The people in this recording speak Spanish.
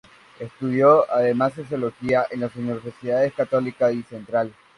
Estudió además sociología en las universidades Católica y Central.